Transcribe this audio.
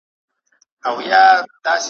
د مېچني په څېر ګرځېدی چالان وو ,